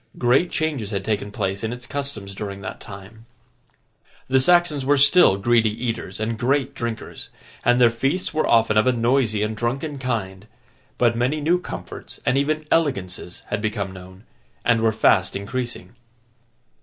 Great changes had taken place in its customs during that time. The Saxons were still greedy eaters and great drinkers, and their feasts were often of a noisy and drunken kind; but many new comforts and even elegances had become known, and were fast increasing.